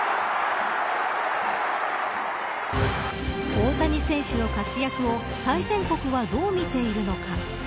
大谷選手の活躍を対戦国はどう見ているのか。